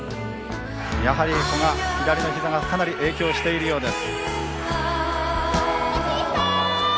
やはり古賀、左のひざがかなり影響しているようです。